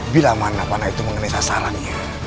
bila mana mana itu mengenai sasarannya